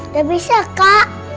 gak bisa kak